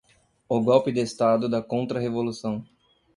O Golpe de Estado da Contra-Revolução